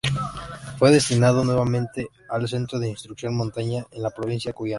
Fue destinado nuevamente al Centro de Instrucción de Montaña en la provincia cuyana.